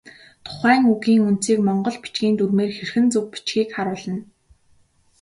Тухайн үгийн үндсийг монгол бичгийн дүрмээр хэрхэн зөв бичихийг харуулна.